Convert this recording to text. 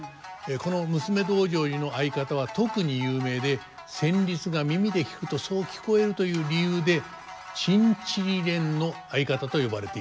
この「娘道成寺」の合方は特に有名で旋律が耳で聴くとそう聞こえるという理由で「チンチリレンの合方」と呼ばれているんです。